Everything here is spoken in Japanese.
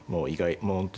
もう本当